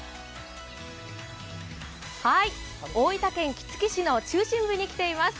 大分県杵築市の中心部に来ています。